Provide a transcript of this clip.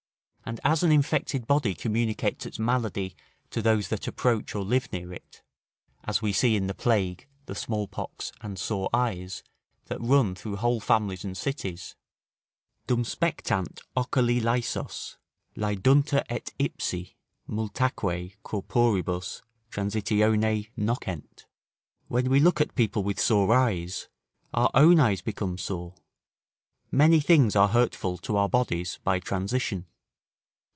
And as an infected body communicates its malady to those that approach or live near it, as we see in the plague, the smallpox, and sore eyes, that run through whole families and cities: "Dum spectant oculi laesos, laeduntur et ipsi; Multaque corporibus transitione nocent." ["When we look at people with sore eyes, our own eyes become sore. Many things are hurtful to our bodies by transition."